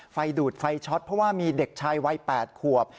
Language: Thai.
ไฟดูดไฟช็อตเพราะว่ามีเด็กชายวัย๘ขวบ